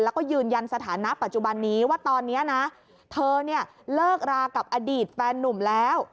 แล้วก็ยืนยันสถานะปัจจุบันนี้ว่าตอนนี้นะเธอเนี่ยเลิกรากับอดีตแฟนนุ่มแล้ว